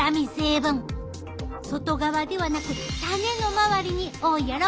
外側ではなく種の周りに多いやろ？